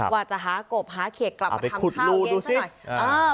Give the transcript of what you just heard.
ว่าจะหากบหาเขียกกลับมาทำข้าวเย็นซะหน่อย